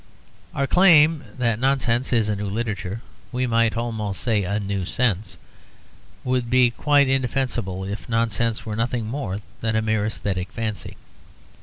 Our claim that nonsense is a new literature (we might almost say a new sense) would be quite indefensible if nonsense were nothing more than a mere aesthetic fancy.